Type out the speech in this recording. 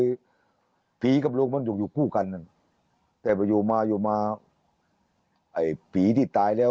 ก็ไม่เป็นมึงมาหรอกอยู่เข้ากันมั้ยแต่วันอยู่มาอยู่มาไอพี่เจ้าปีที่ตายแล้ว